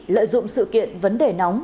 lợi dụng sự kiện vấn đề nóng